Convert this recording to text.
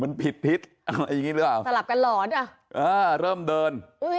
มันผิดพิษอะไรอย่างงี้หรือเปล่าสลับกันหลอนอ่ะเออเริ่มเดินอุ้ย